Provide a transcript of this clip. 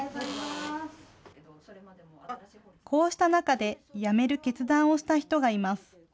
こうした中でやめる決断をした人がいます。